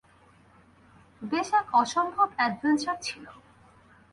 বেশ, এক অসম্ভব অ্যাডভেঞ্চার ছিল।